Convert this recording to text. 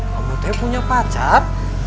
kamu tuh punya pacar